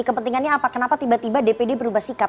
kepentingannya apa kenapa tiba tiba dpd berubah sikap